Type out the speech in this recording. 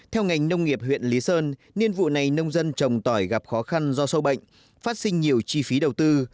theo ngành nông nghiệp huyện lý sơn nhiên vụ này nông dân trồng tỏi gặp khó khăn do sâu bệnh phát sinh nhiều chi phí đầu tư